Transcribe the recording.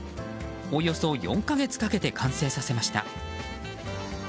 およそ４か月かけて完成させました。